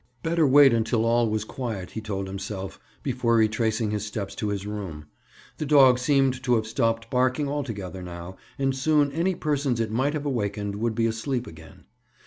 Better wait until all was quiet, he told himself, before retracing his steps to his room. The dog seemed to have stopped barking altogether now and soon any persons it might have awakened would be asleep again.